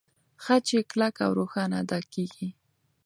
خج يې کلک او روښانه ادا کېږي.